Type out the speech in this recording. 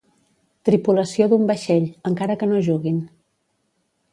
Tripulació d'un vaixell, encara que no juguin.